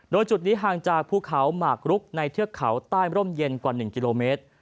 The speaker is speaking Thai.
โดยจุดนี้ห่างจากภูเขาหมากรุกในเทือกเขาใต้ร่มเย็นกว่า๑กิโลเมตร